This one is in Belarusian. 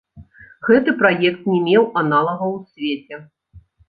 Гэты праект не меў аналагаў у свеце.